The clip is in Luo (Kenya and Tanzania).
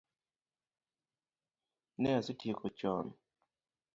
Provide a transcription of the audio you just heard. Ne a setieko chon